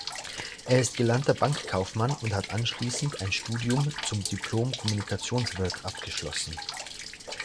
Er ist gelernter Bankkaufmann und hat anschließend ein Studium zum Diplom-Kommunikationswirt abgeschlossen.